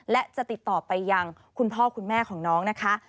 และจะติดต่อไปยังคุณพ่อคุณแม่ของน้องนะคะ